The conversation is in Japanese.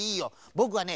ぼくはね